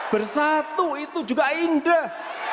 bersatu itu juga indah